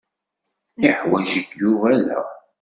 Yeḥwaǧ-ik Yuba da.